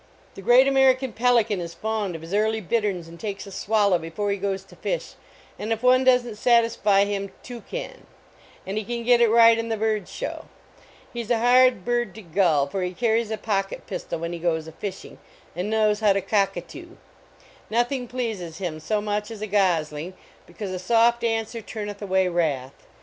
The great American Pelican is fond of his early bitterns and takes a swallow before he goes to fish, and if one doesn t satisfy him toucan, and he can get it right in the bird show; he s a hard bird to gull, for he carries a pocket pistol when he goes a fishing, and knows how to cockatoo ; nothing pleases him so much as a gosling, because a soft an SCT turneth away wrath.